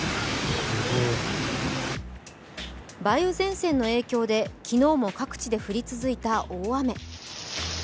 梅雨前線の影響で昨日も各地で降り続いた大雨。